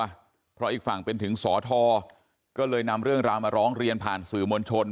เพราะอีกฝั่งเป็นถึงสอทอก็เลยนำเรื่องราวมาร้องเรียนผ่านสื่อมวลชน